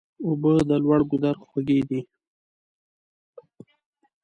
اوبه د لوړ ګودر خوږې دي.